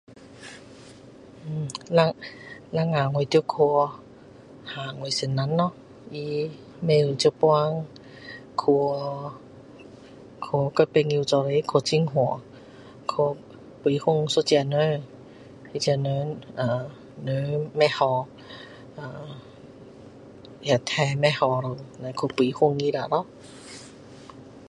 【unclear}【um] 等下。。等下我得去载我先生咯，他不懂现在去。。去跟朋友一起去很远，去拜访一个人。那个人，他人不好，他体不好了，那去拜访他啦咯。